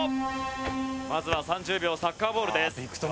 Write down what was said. まずは３０秒サッカーボールです。